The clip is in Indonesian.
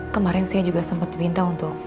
kemarin saya juga sempat diminta untuk